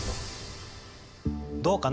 どうかな？